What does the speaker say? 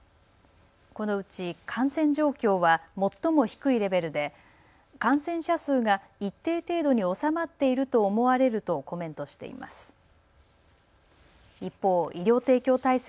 このうち感染状況は最も低いレベルで感染者数が一定程度に収まっていると思われるとコメントしています。